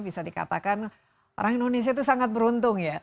bisa dikatakan orang indonesia itu sangat beruntung ya